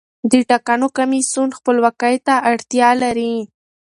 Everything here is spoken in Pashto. د ټاکنو کمیسیون خپلواکۍ ته اړتیا لري